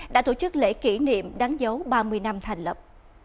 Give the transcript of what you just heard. đã tổ chức lễ kỷ niệm đáng dấu ba mươi năm thành lập